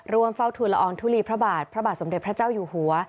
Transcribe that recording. เฝ้าทุนละอองทุลีพระบาทพระบาทสมเด็จพระเจ้าอยู่หัว